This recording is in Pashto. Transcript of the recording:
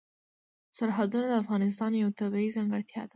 سرحدونه د افغانستان یوه طبیعي ځانګړتیا ده.